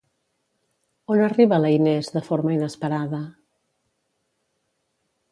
On arriba la Inés de forma inesperada?